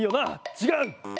ちがう！